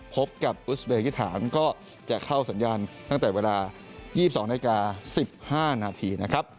พบกับอุศเบย์กิฐานก็จะเข้าสัญญาณตั้งแต่เวลา๒๒นาที๑๕นาที